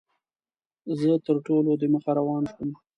زه تر ټولو دمخه روان شوم.